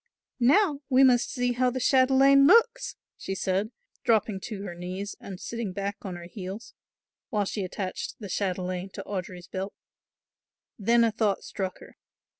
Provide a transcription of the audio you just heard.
"Now we must see how the chatelaine looks," she said, dropping to her knees and sitting back on her heels, while she attached the chatelaine to Audry's belt. Then a thought struck her.